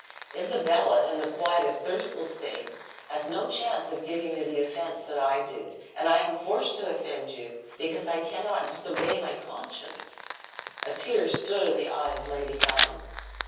Isabella, in the quiet of Thirlestane, has no chance of giving you the offense that I do; and I am forced to offend you, because I cannot disobey my conscience." A tear stood in the eye of Lady Helen.